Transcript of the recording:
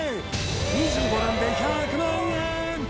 ２５段で１００万円！